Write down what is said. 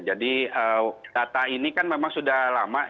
jadi data ini kan memang sudah lama